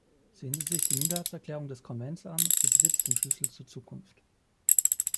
Sehen Sie sich die Minderheitserklärung des Konvents an, sie besitzt den Schlüssel zur Zukunft.